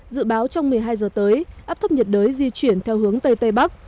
dự báo trong một mươi hai giờ tới áp thấp nhiệt đới di chuyển theo hướng tây tây bắc